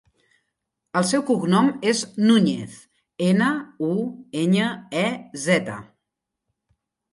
El seu cognom és Nuñez: ena, u, enya, e, zeta.